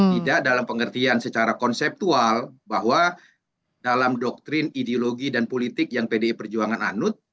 tidak dalam pengertian secara konseptual bahwa dalam doktrin ideologi dan politik yang pdi perjuangan anut